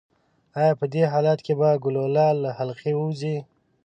ایا په دې حالت کې به ګلوله له حلقې ووځي؟